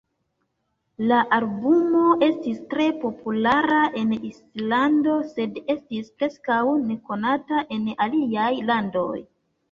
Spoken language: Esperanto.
La albumo estis tre populara en Islando, sed estis preskaŭ nekonata en aliaj landoj.